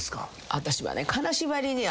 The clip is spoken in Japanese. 私はね。